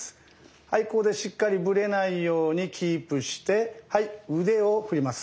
ここでしっかりぶれないようにキープして腕を振ります。